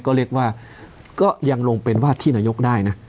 ก็เรียกว่าก็ยังลงเป็นวาดที่นายกได้นะ